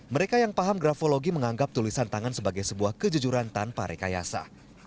mereka yang paham grafologi menganggap tulisan tangan sebagai sebuah kejujuran tanpa rekayasa